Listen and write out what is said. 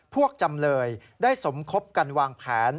จำเลยได้สมคบกันวางแผน